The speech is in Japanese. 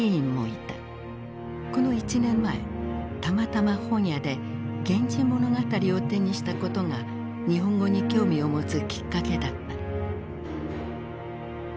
この１年前たまたま本屋で「源氏物語」を手にしたことが日本語に興味を持つきっかけだった。